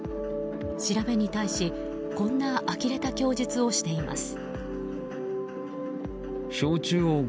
調べに対しこんなあきれた供述をしています。